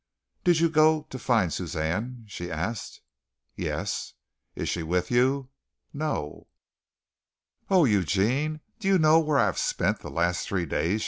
"Did you go to find Suzanne?" she asked. "Yes." "Is she with you?" "No." "Oh, Eugene, do you know where I have spent the last three days?"